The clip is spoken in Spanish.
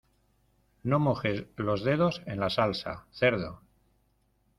No mojes los dedos en la salsa, ¡cerdo!